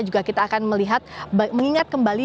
juga kita akan melihat mengingat kembali